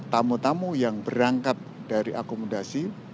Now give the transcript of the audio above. tamu tamu yang berangkat dari akomodasi